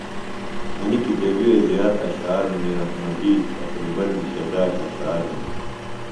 انیۡ کتیبی وے زیات اشعار منیر احمدی تقریبن بِھشے داش اشعار ہِنہ۔